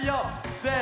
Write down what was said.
せの！